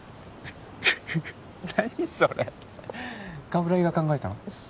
何それ鏑木が考えたの？